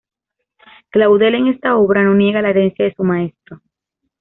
Claudel en esta obra no niega la herencia de su maestro.